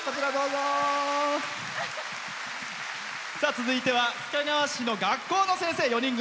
続いては須賀川市の学校の先生４人組。